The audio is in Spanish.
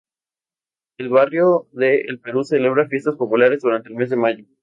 El barrio de El Perú celebra fiestas populares durante el mes de mayo.